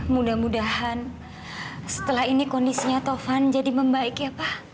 mudah mudahan setelah ini kondisinya tovan jadi membaik ya pak